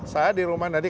saya lahir di bandung